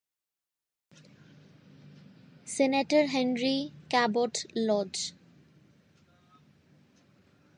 Senator Henry Cabot Lodge.